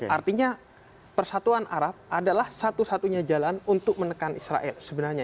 artinya persatuan arab adalah satu satunya jalan untuk menekan israel sebenarnya